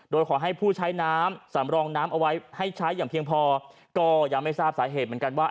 โดยขอให้ผู้ใช้น้ำสำรองน้ำเอาไว้ให้ใช้อย่างเพียงพอก็ยังไม่ทราบสาเหตุเหมือนกันว่า